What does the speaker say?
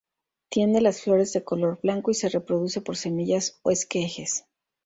Tiene las flores de color blanco y se reproduce por semillas o esquejes.